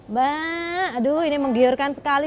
mbak aduh ini menggiurkan sekali